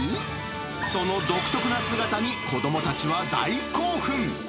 その独特な姿に子どもたちは大興奮。